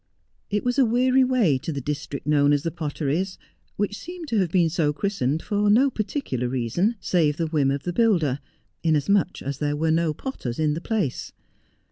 It was a weary way to the district known as the Potteries, which seemed to have been so christened for no particular reason save the whim of the builder, inasmuch as there were no potters in the place.